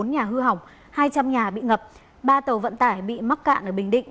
hai một trăm một mươi bốn nhà hư hỏng hai trăm linh nhà bị ngập ba tàu vận tải bị mắc cạn ở bình định